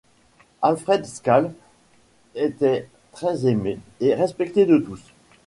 Alfred Scales était très aimé et respecté de tous.